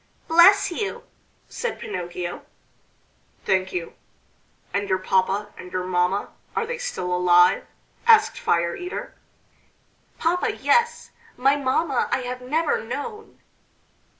"Bless you!" said Pinocchio. "Thank you! And your papa and your mamma, are they still alive?" asked Fire eater. "Papa, yes: my mamma I have never known."